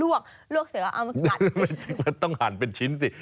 ลวกเสร็จแล้วเอามากัดไม่จริงแล้วต้องหั่นเป็นชิ้นสิ